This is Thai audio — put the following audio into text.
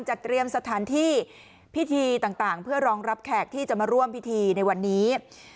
เตรียมสถานที่พิธีต่างเพื่อรองรับแขกที่จะมาร่วมพิธีในวันนี้